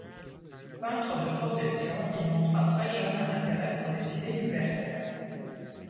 Peintre de profession, il montra très jeune un intérêt pour les idées libertaires.